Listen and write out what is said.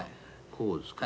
こうですか。